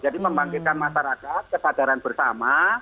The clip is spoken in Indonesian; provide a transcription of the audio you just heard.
jadi membangkitkan masyarakat kesadaran bersama